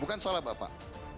bukan salah bapak